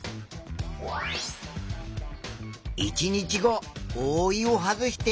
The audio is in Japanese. １日後おおいを外して。